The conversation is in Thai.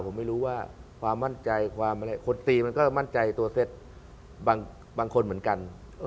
ผมไม่รู้ว่าความมั่นใจความอะไรคนตีมันก็มั่นใจตัวเซ็ตบางคนเหมือนกัน